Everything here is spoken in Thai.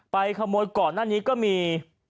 ขโมยก่อนหน้านี้ก็มี